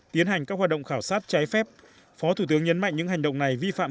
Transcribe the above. tiến hành các hoạt động khảo sát trái phép phó thủ tướng nhấn mạnh những hành động này vi phạm